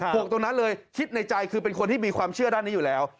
กตรงนั้นเลยคิดในใจคือเป็นคนที่มีความเชื่อด้านนี้อยู่แล้ว